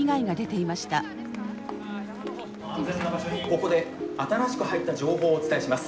ここで新しく入った情報をお伝えします。